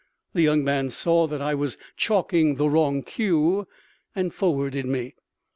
The young man saw that I was chalking the wrong cue, and forwarded me.